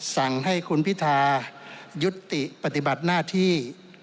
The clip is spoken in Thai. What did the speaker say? สั่งให้คุณพิทายุติปฏิบัติหน้าที่